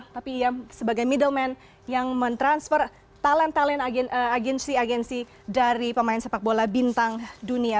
tapi ia sebagai middleman yang mentransfer talent talent agensi agensi dari pemain sepak bola bintang dunia